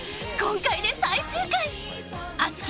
今回で最終回］